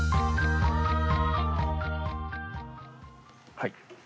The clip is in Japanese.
はい。